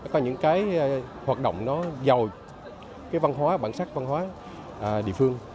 có những cái hoạt động nó giàu cái văn hóa bản sắc văn hóa địa phương